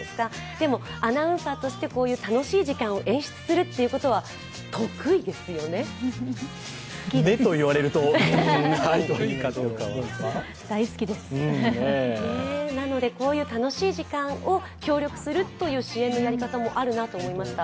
でも、アナウンサーとしてこういう楽しい時間を演出するということは、得意ですよね？ね？と言われるとはいというかどうかなので、こういう楽しい時間を協力するという支援のやり方もあるなと思いました。